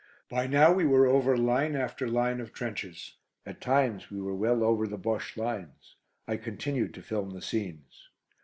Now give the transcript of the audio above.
By now we were over line after line of trenches. At times we were well over the Bosche lines. I continued to film the scenes.